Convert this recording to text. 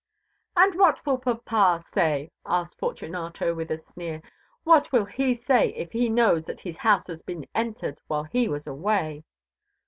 "And what will papa say?" asked Fortunato with a sneer; "what will he say if he knows that his house has been entered while he was away?"